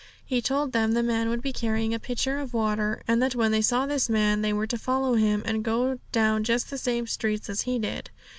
He told them the man would be carrying a pitcher of water; and that when they saw this man, they were to follow him, and go down just the same streets as he did.